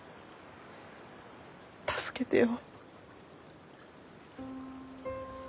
助けてよ。